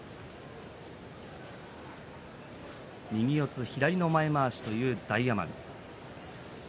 右四つ左の前まわしという大奄美。